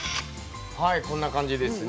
はいこんな感じですね。